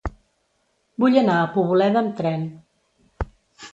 Vull anar a Poboleda amb tren.